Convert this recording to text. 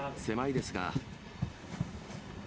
狭いですが。